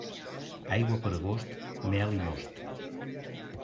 Aigua per agost, mel i most.